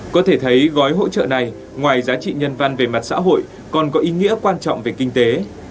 có thể thấy gói hỗ trợ này ngoài giá trị nhân văn về mặt xã hội còn có ý nghĩa quan trọng về kinh tế